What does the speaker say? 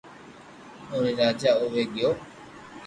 اووي راجا آوي گيو